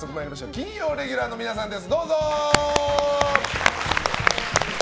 金曜レギュラーの皆さんです。